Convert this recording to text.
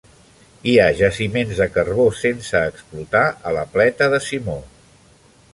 Hi ha jaciments de carbó sense explotar a la pleta de Simó.